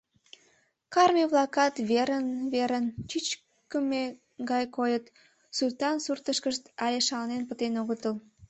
Карме-влакат верын-верын чӱчкымӧ гыч койыт, суртан-суртышкышт але шаланен пытен огытыл.